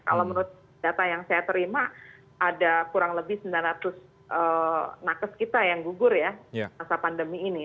kalau menurut data yang saya terima ada kurang lebih sembilan ratus nakes kita yang gugur ya masa pandemi ini